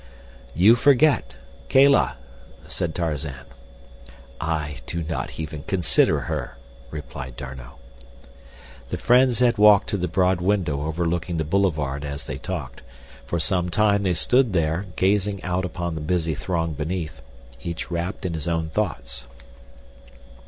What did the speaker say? "You forget—Kala," said Tarzan. "I do not even consider her," replied D'Arnot. The friends had walked to the broad window overlooking the boulevard as they talked. For some time they stood there gazing out upon the busy throng beneath, each wrapped in his own thoughts.